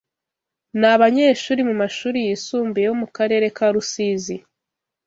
ni abanyeshuri mu mashuri yisumbuye yo mu karere ka Rusizi